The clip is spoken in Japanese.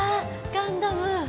ガンダム。